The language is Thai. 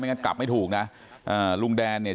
งั้นกลับไม่ถูกนะอ่าลุงแดนเนี่ย